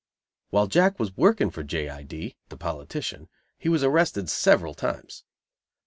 While Jack was working for J. I. D., the politician, he was arrested several times.